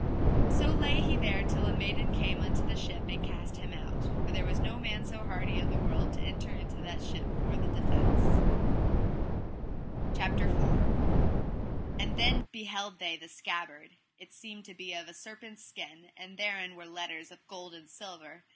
So lay he there till a maiden came into the ship and cast him out, for there was no man so hardy of the world to enter into that ship for the defence. CHAPTER IV. Of the marvels of the sword and of the scabbard. And then beheld they the scabbard, it seemed to be of a serpent's skin, and thereon were letters of gold and silver.